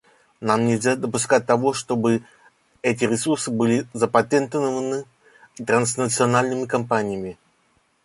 Нам нельзя допускать того, чтобы эти ресурсы были запатентованы транснациональными компаниями.